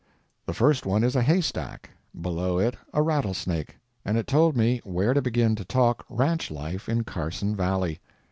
The first one is a haystack—below it a rattlesnake—and it told me where to begin to talk ranch life in Carson Valley.